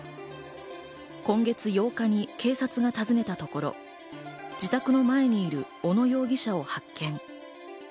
今月８日に警察が訪ねたところ、自宅の前にいる小野容疑者を発見。